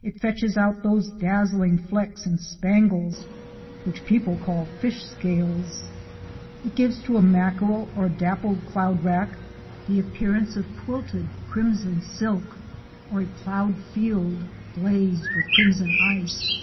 It fetches out those dazzling flecks and spangles which people call fish scales. It gives to a mackerel or dappled cloudrack the appearance of quilted crimson Jan. 3, 1S84] NA TURE 22 silk, or a ploughed field glazed with crimson ice.